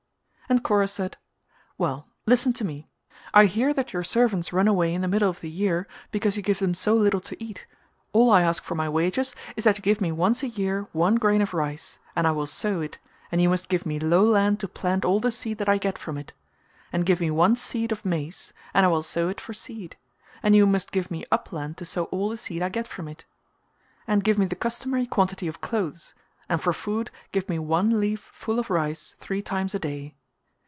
And Kora said "Well, listen to me: I hear that your servants run away in the middle of the year because you give them so little to eat, all I ask for my wages is that you give me once a year one grain of rice and I will sow it and you must give me low land to plant all the seed that I get from it; and give me one seed of maize and I will sow it for seed, and you must give me upland to sow all the seed I get from it; and give me the customary quantity of clothes, and for food give me one leaf full of rice three times a day.